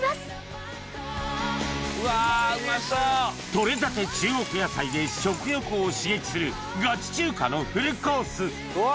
取れたて中国野菜で食欲を刺激するガチ中華のフルコースうわ！